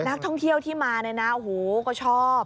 นักท่องเที่ยวที่มาก็ชอบ